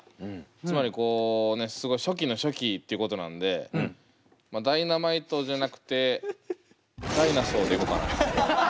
つまりこうねすごい初期の初期っていうことなんで「Ｄｙｎａｍｉｔｅ」じゃなくて「Ｄｉｎｏｓａｕｒ」でいこうかなと。